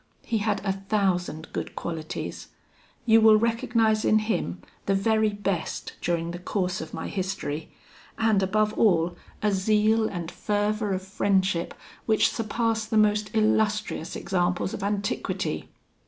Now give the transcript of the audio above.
He had a thousand good qualities. You will recognise in him the very best during the course of my history, and above all, a zeal and fervour of friendship which surpass the most illustrious examples of antiquity.